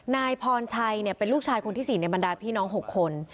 นายพรชัยเป็นลูกชายคนที่๔ในบรรดาพี่น้อง๖คน